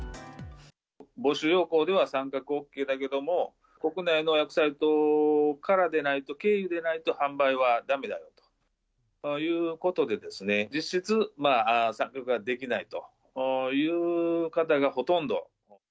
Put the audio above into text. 募集要項では参画ＯＫだけれども、国内の予約サイトからでないと経由でないと、販売はだめだということで、実質、参画はできないという方がほとんど。